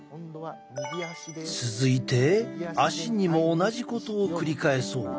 続いて足にも同じことを繰り返そう。